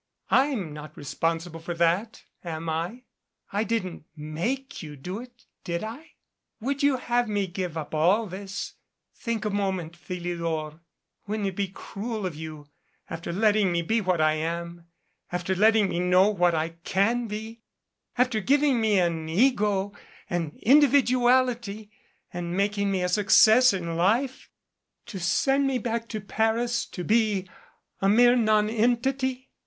I'm not responsible for that am I? I didn't make you do it, did I? Would you have me give up all this ? Think a moment, Philidor. Wouldn't it be cruel of you after letting me be what I am after 179 MADCAP letting me know what I can be after giving me an ego, an individuality, and making me a success in life to send me back to Paris to be a mere nonentity?